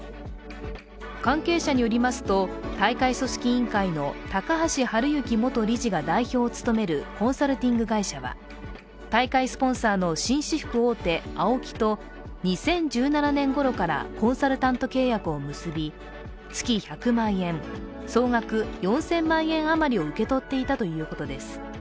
関係者によりますと、大会組織委員会の高橋治之元理事が代表を務めるコンサルティング会社は大会スポンサーの紳士服大手ＡＯＫＩと２０１７年ごろからコンサルタント契約を結び月１００万円、総額４０００万円あまりを受け取っていたということです。